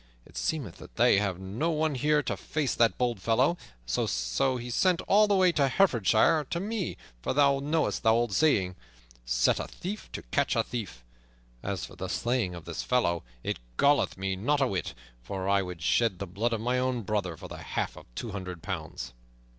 It seemeth that they have no one here to face that bold fellow, and so sent all the way to Herefordshire, and to me, for thou knowest the old saying, 'Set a thief to catch a thief.' As for the slaying of this fellow, it galleth me not a whit, for I would shed the blood of my own brother for the half of two hundred pounds."